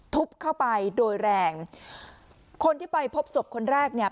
ทุบเข้าไปโดยแรงคนที่ไปพบศพคนแรกเนี่ย